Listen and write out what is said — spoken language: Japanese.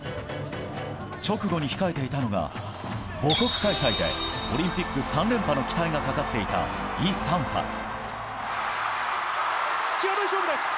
直後に控えていたのが母国開催でオリンピック３連覇の期待がかかっていたイ・サンファ。